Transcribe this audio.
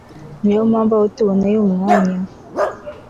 ni yo mpamvu, aho tuboneye umwanya